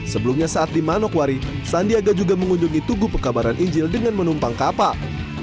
sebelumnya saat di manokwari sandiaga juga mengunjungi tugu pekabaran injil dengan menumpang kapal